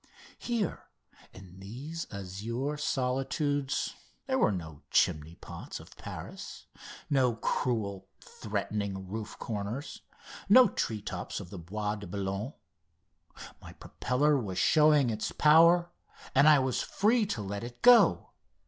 Here in these azure solitudes there were no chimney pots of Paris, no cruel, threatening roof corners, no tree tops of the Bois de Boulogne. My propeller was showing its power, and I was free to let it go.